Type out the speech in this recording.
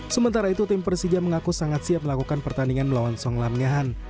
sementara itu tim persija mengaku sangat siap melakukan pertandingan melawan song lam ngehan